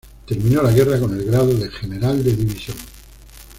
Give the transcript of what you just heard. Terminó la guerra con el grado de general de división.